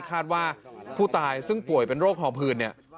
คาดว่าผู้ตายซึ่งป่วยเป็นโรคห่อพื้นเนี่ย